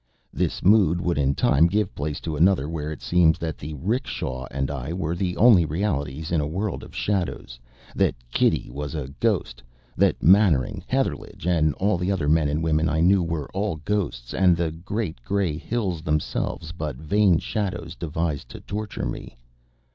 This mood would in time give place to another where it seemed that the 'rickshaw and I were the only realities in a world of shadows; that Kitty was a ghost; that Mannering, Heatherlegh, and all the other men and women I knew were all ghosts; and the great, grey hills themselves but vain shadows devised to torture me.